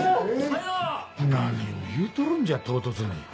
何を言うとるんじゃ唐突に。